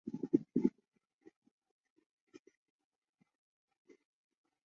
返税在四年内有效。